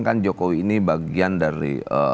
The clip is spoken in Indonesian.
kan jokowi ini bagian dari